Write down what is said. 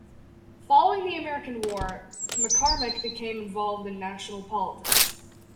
Following the American war Macarmick became involved in national politics.